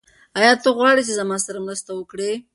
ایا ته غواړې چې زما سره مرسته وکړې؟